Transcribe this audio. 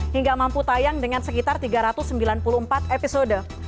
hingga mampu tayang dengan sekitar tiga ratus sembilan puluh empat episode